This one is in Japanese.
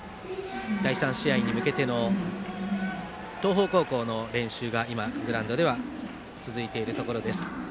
第３試合に向けての東邦高校の練習が今、グラウンドでは続いているところです。